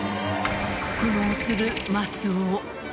苦悩する松尾